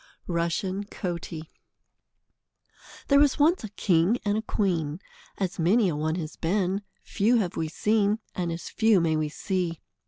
Rushen Coatie There was once a king and a queen, as many a one has been; few have we seen, and as few may we see.